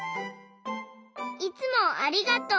いつもありがとう。